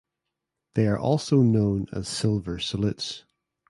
They are also known as silver salutes.